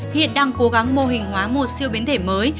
hiện đang cố gắng mô hình hóa một siêu biến thể mới